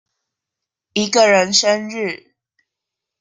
一個人生日